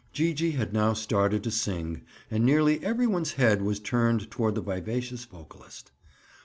Gee gee had now started to sing and nearly every one's head was turned toward the vivacious vocalist.